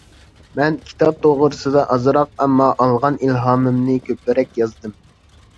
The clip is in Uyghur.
مەن كىتاب توغرىسىدا ئازراق، ئەمما ئالغان ئىلھامىمنى كۆپرەك يازدىم.